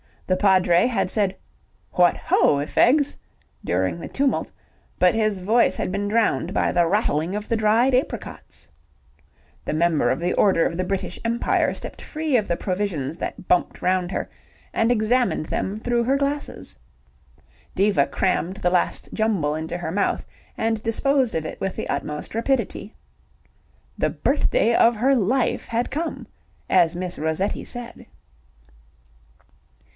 The Padre had said "What ho, i' fegs?" during the tumult, but his voice had been drowned by the rattling of the dried apricots. The Member of the Order of the British Empire stepped free of the provisions that bumped round her, and examined them through her glasses. Diva crammed the last jumble into her mouth and disposed of it with the utmost rapidity. The birthday of her life had come, as Miss Rossetti said.